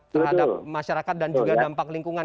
terhadap masyarakat dan juga dampak lingkungan